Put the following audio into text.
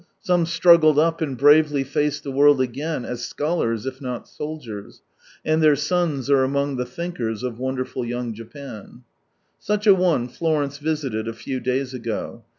Some struggled up, and bravely faced ihe world again as scholars i( not soldiers, and their sons are among the thinkers of wonderful young Japan, Svich a one Florence visited a few days ago.